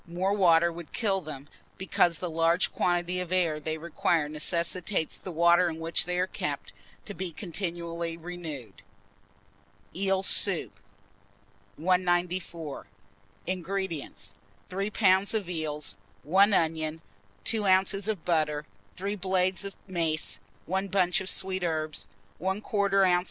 More water would kill them, because the large quantity of air they require necessitates the water in which they are kept, to be continually renewed. EEL SOUP. 194. INGREDIENTS. 3 lbs. of eels, 1 onion, 2 oz. of butter, 3 blades of mace, 1 bunch of sweet herbs, 1/4 oz.